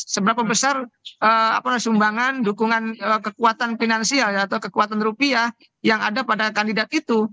seberapa besar sumbangan dukungan kekuatan finansial atau kekuatan rupiah yang ada pada kandidat itu